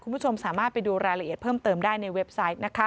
คุณผู้ชมสามารถไปดูรายละเอียดเพิ่มเติมได้ในเว็บไซต์นะคะ